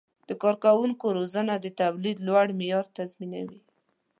د کارکوونکو روزنه د تولید لوړ معیار تضمینوي.